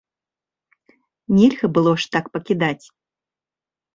Нельга было ж так пакідаць.